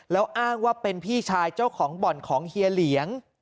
แล้วอ้างว่าเป็นพี่ชายเจ้าของบ่อนของเฮียเหลียง